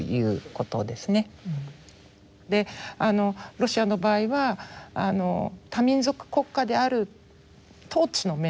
ロシアの場合は多民族国家である統治の面でですね